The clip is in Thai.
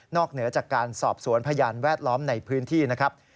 เหนือจากการสอบสวนพยานแวดล้อมในพื้นที่นะครับ